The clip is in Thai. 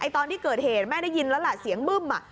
ตอนที่เกิดเหตุแม่ได้ยินแล้วล่ะเสียงบึ้ม